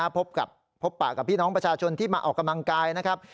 พบกับพบปากกับพี่น้องประชาชนที่มาออกกำลังกายนะครับ